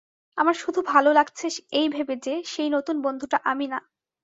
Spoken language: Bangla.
আমার শুধু ভালো লাগছে এই ভেবে যে সেই নতুন বন্ধুটা আমি না।